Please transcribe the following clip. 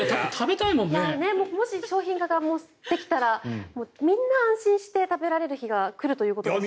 もし商品化できたらみんな安心して食べられる日が来るということですよね。